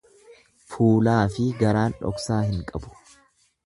Fuulaafi garaan dhoksaa hin qabu.